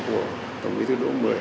của tổng thủ đỗ mười